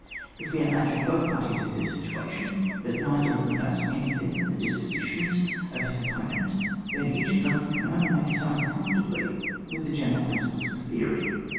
If we imagine both parties in this situation, that neither of them knows anything of the dispositions of his oppo nent, then each of them can only make his own conformably vdth the general principles of theory.